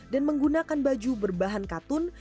dan menggunakan baju berbahan katun